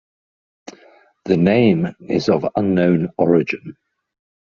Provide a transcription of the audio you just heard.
The name is of unknown origin.